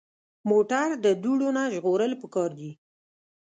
موټر د دوړو نه ژغورل پکار دي.